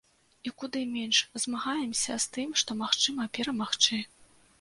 І куды менш змагаемся з тым, што магчыма перамагчы.